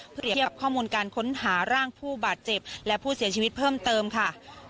เพื่อเทียบข้อมูลการค้นหาร่างผู้บาดเจ็บและผู้เสียชีวิตเพิ่มเติมค่ะ